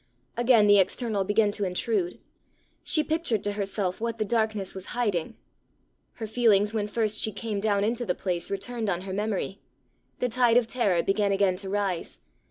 Again the external began to intrude. She pictured to herself what the darkness was hiding. Her feelings when first she came down into the place returned on her memory. The tide of terror began again to rise.